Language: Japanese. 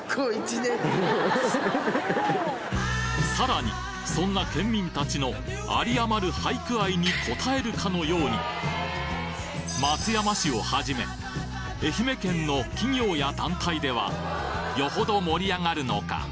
さらにそんな県民達のありあまる俳句愛に応えるかのように松山市をはじめ愛媛県の企業や団体ではよほど盛り上がるのか